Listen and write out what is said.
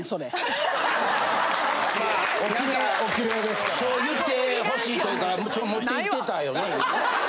何かそう言ってほしいというか持っていってたよね。